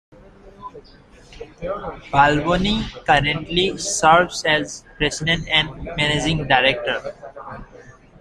Balboni currently serves as President and Managing Director.